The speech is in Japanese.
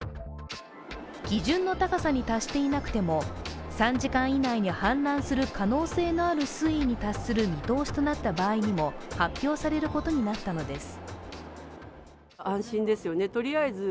基準の高さに達していなくても３時間以内に氾濫する可能性のある水位に達する見通しとなった場合にも発表されることになったのです。